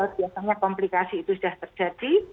biasanya komplikasi itu sudah terjadi